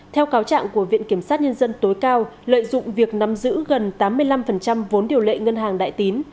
theo cáo trạng của viện kiểm sát nhân dân tối cao lợi dụng việc nắm giữ gần tám mươi năm vốn điều lệ ngân hàng đại tín